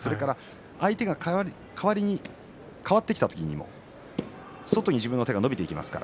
相手が変わってきた時にも外に自分の手が伸びていきます。